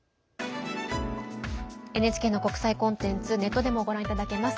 ＮＨＫの国際コンテンツネットでもご覧いただけます。